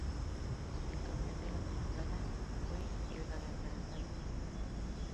El campeón de la temporada fue el Galatasaray.